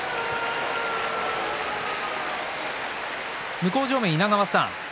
向正面の稲川さん